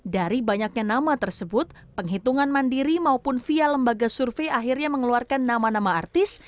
dari banyaknya nama tersebut penghitungan mandiri maupun via lembaga survei akhirnya mengeluarkan nama nama artis